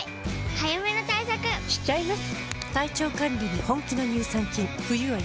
早めの対策しちゃいます。